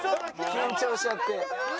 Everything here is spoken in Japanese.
緊張しちゃって。